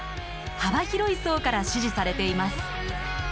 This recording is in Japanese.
幅広い層から支持されています。